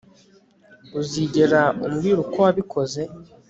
Uzigera umbwira uko wabikoze